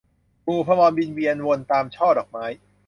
หมู่ภมรบินเวียนวนตามช่อดอกไม้